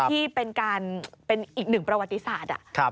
ที่เป็นอีกหนึ่งประวัติศาสตร์